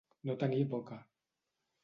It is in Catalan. No tenir boca.